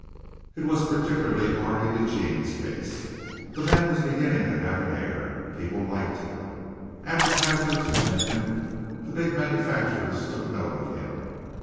It was particularly hard in Eugene's case. The man was beginning to have an air. People liked him. Advertisers who met him, the big manufacturers, took note of him.